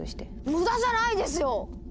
無駄じゃないですよ！